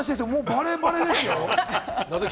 バレバレですよ。